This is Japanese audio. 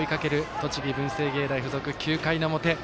栃木、文星芸大付属９回の表。